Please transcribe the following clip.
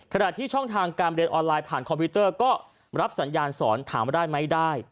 ขณะที่ช่องทางการเรียนออนไลน์ผ่านคอมพิวเตอร์ก็รับสัญญาณสอนถามว่าได้ไหมได้